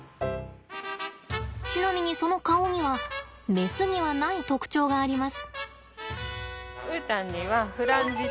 ちなみにその顔にはメスにはない特徴があります。